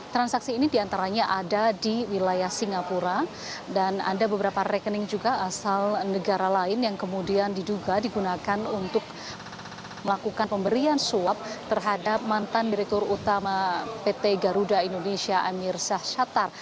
transaksi ini diantaranya ada di wilayah singapura dan ada beberapa rekening juga asal negara lain yang kemudian diduga digunakan untuk melakukan pemberian suap terhadap mantan direktur utama pt garuda indonesia amir syah shatar